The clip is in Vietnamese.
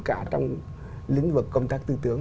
cả trong lĩnh vực công tác tư tưởng